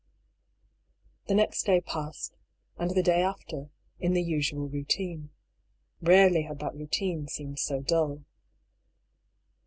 The next day passed, and the day after, in the usual routine. Barely had that routine seemed so dull.